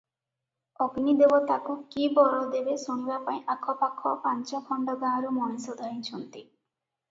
ଅଗ୍ନିଦେବ ତାକୁ କି ବର ଦେବେ ଶୁଣିବାପାଇଁ ଆଖ ପାଖ ପାଞ୍ଚ ଖଣ୍ଡ ଗାଁରୁ ମଣିଷ ଧାଇଁଛନ୍ତି ।